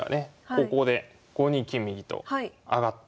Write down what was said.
ここで５二金右と上がって。